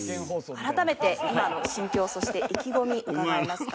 改めて、今の心境そして意気込み、伺えますか？